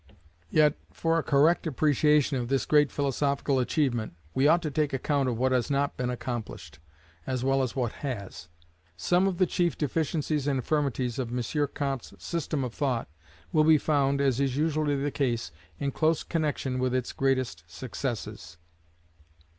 Yet, for a correct appreciation of this great philosophical achievement, we ought to take account of what has not been accomplished, as well as of what has. Some of the chief deficiencies and infirmities of M. Comte's system of thought will be found, as is usually the case, in close connexion with its greatest successes.